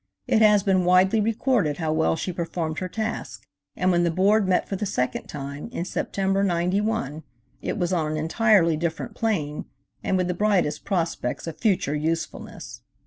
It has been widely recorded how well she performed her task, and when the Board met for the second time, in September, '91, it was on an entirely different plane, and with the brightest prospects of future usefulness.